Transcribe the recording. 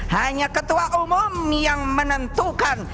hanya ketua umum yang menentukan